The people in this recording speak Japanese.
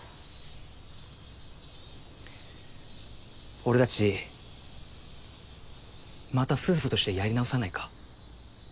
俺たちまた夫婦としてやり直さないか？